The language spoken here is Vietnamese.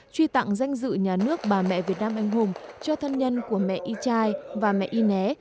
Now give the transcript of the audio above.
truy tặng danh dự nhà nước bà mẹ việt nam anh hùng cho thân nhân của mẹ y trai và mẹ y né